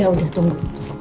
ya udah tunggu